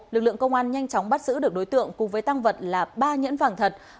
lực lượng công an nhanh chóng bắt giữ được đối tượng cùng với tăng vật là ba nhẫn vàng thật